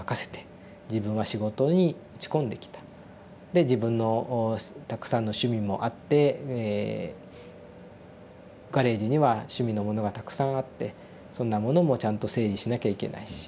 で自分のたくさんの趣味もあってガレージには趣味のものがたくさんあってそんなものもちゃんと整理しなきゃいけないし。